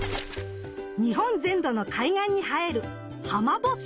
日本全土の海岸に生えるハマボッス。